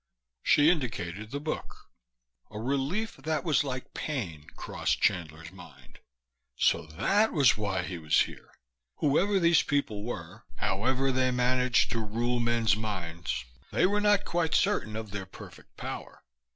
She indicated the book. A relief that was like pain crossed Chandler's mind. So that was why he was here! Whoever these people were, however they managed to rule men's minds, they were not quite certain of their perfect power.